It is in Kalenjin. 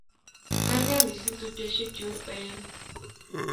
karkei mising tupchesiek chu oeng'